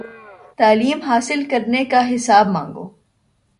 تعلیم حاصل کرنے کا حساب مانگو